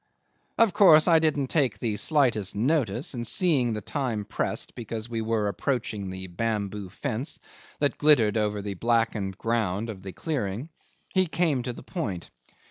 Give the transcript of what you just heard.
Of course I didn't take the slightest notice, and seeing the time pressed, because we were approaching the bamboo fence that glittered over the blackened ground of the clearing, he came to the point.